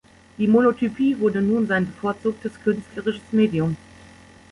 Die Monotypie wurde nun sein bevorzugtes künstlerisches Medium.